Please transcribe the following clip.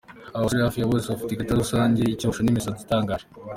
Aba basore hafi ya bose bafite ikita-rusange cy’inyogosho n’imisatsi itangaje.